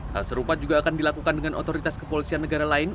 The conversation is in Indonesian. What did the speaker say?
hal serupa juga akan dilakukan dengan otoritas kepolisian negara lain